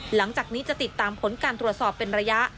หลังจากนี้จะติดตามผลการตรวจสอบเป็นระยะ